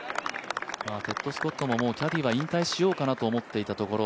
テッド・スコットもキャディーは引退しようかなと思っていたところ